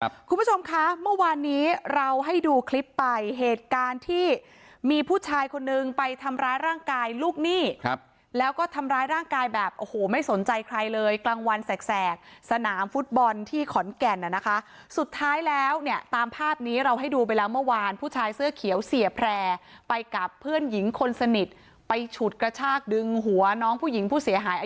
คุณผู้ชมคะเมื่อวานนี้เราให้ดูคลิปไปเหตุการณ์ที่มีผู้ชายคนนึงไปทำร้ายร่างกายลูกหนี้ครับแล้วก็ทำร้ายร่างกายแบบโอ้โหไม่สนใจใครเลยกลางวันแสกแสกสนามฟุตบอลที่ขอนแก่นน่ะนะคะสุดท้ายแล้วเนี่ยตามภาพนี้เราให้ดูไปแล้วเมื่อวานผู้ชายเสื้อเขียวเสียแพร่ไปกับเพื่อนหญิงคนสนิทไปฉุดกระชากดึงหัวน้องผู้หญิงผู้เสียหาย